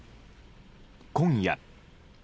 今夜。